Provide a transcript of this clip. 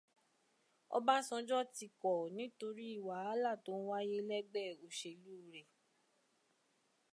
Ọbásanjọ́ ti kọ̀ nítorí wàhálà tó ń wáyé lẹ́gbẹ́ òṣèlú rẹ̀